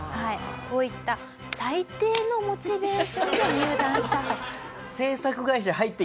こういった最低のモチベーションで入団したと。